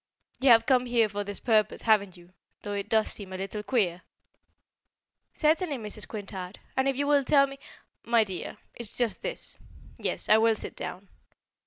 You have come here for this purpose, haven't you, though it does seem a little queer?" "Certainly, Mrs. Quintard; and if you will tell me " "My dear, it's just this yes, I will sit down.